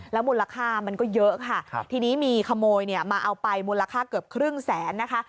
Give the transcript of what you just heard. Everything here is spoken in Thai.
มูลค่ามันก็เยอะค่ะทีนี้มีขโมยเนี่ยมาเอาไปมูลค่าเกือบครึ่งแสนนะคะ